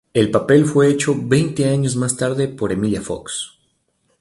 El papel fue hecho veinte años más tarde por Emilia Fox.